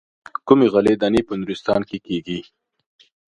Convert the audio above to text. کومې غلې دانې په نورستان کې کېږي.